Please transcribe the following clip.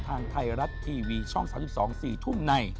ทางไทยรัฐทีวีช่อง๓๒๔ทุ่มใน